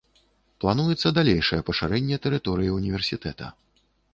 Плануецца далейшае пашырэнне тэрыторыі ўніверсітэта.